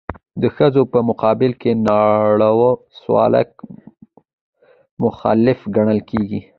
د ښځو په مقابل کې ناوړه سلوک مخالف ګڼل کیږي.